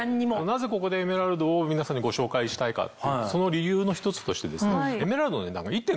なぜここでエメラルドを皆さんにご紹介したいかっていうその理由の一つとしてですねエメラルドの。